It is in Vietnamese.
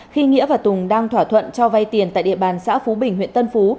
khi nghĩa và tùng đang thỏa thuận cho vay tiền tại địa bàn xã phú bình huyện tân phú